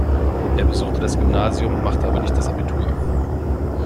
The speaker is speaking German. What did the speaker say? Er besuchte das Gymnasium, machte aber nicht das Abitur.